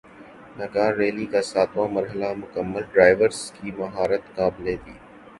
Dakar Rally کا ساتواں مرحلہ مکمل ڈرائیورز کی مہارت قابل دید